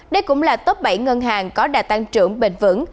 đây cũng là top bảy ngân hàng có đà tăng trưởng bền vững